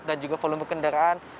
dan juga volume kendaraan